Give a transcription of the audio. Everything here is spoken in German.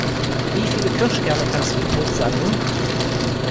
Wie viele Kirschkerne kannst du im Mund sammeln?